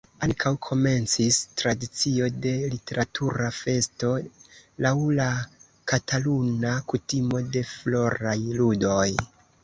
Ankaŭ komencis tradicio de Literatura Festo laŭ la kataluna kutimo de Floraj Ludoj.